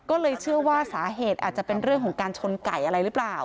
ก็เลยเชื่อว่าสาเหตุอาจจะเป็นเรื่องของการชนไก่อะไรหรือเปล่า